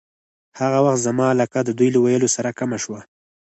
هغه وخت زما علاقه د دوی له ویلو سره کمه شوه.